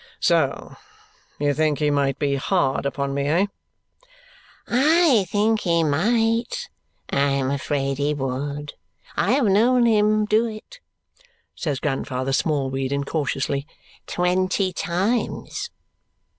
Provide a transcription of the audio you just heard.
"So you think he might be hard upon me, eh?" "I think he might I am afraid he would. I have known him do it," says Grandfather Smallweed incautiously, "twenty times."